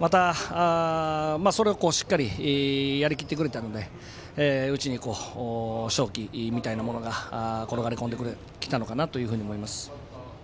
また、それをしっかりやりきってくれたのでうちにいこう勝機みたいなものが転がり込んできたのかなと思います。